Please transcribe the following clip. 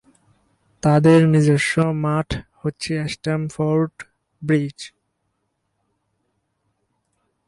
তাদের নিজস্ব মাঠ হচ্ছে স্ট্যামফোর্ড ব্রিজ।